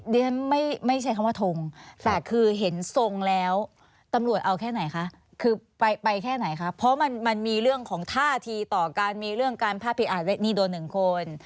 ดิฉันไม่ใช่คำว่าทงแต่คือเห็นทรงแล้วตำรวจเอาแค่ไหนคะคือไปแค่ไหนคะเพราะมันมีเรื่องของท่าทีต่อการมีเรื่องการพาดพิงอาจนี่โดนหนึ่งคน